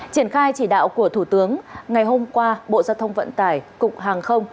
triển khai chỉ đạo của thủ tướng ngày hôm qua bộ giao thông vận tải cục hàng không